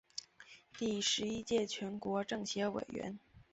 第十一届全国政协委员。